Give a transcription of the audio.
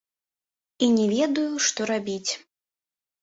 І не ведаю, што рабіць.